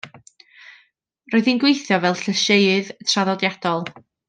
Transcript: Roedd hi'n gweithio fel llysieuydd traddodiadol.